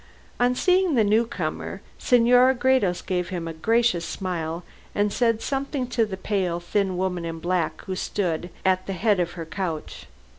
On seeing the newcomer, Senora Gredos gave him a gracious smile, and said something to the pale, thin woman in black who stood at the head of her couch.